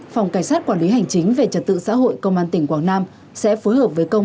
phòng cảnh sát quản lý hành chính về trật tự xã hội công an tỉnh quảng nam sẽ phối hợp với công